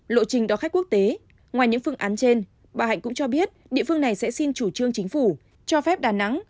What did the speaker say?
lộ trình đón khách quốc tế ngoài những phương án trên bà hạnh cũng cho biết địa phương này sẽ xin chủ trương chính phủ cho phép đà nẵng